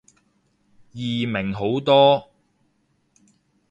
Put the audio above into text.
易明好多